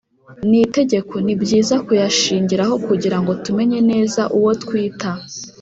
n itegeko ni byiza kuyashingiraho kugira ngo tumenye neza uwo twita